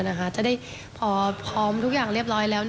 จะได้พอพร้อมทุกอย่างเรียบร้อยแล้ว